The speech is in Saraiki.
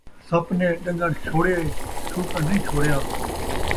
سپ نیں ݙن٘گݨ چھوڑیئے ، شوکݨ نئیں چھوڑیا